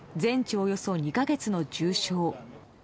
およそ２か月の重傷。